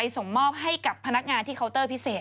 ส่งมอบให้กับพนักงานที่เคาน์เตอร์พิเศษ